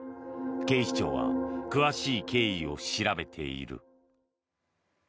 警視庁は詳しい経緯を調べている。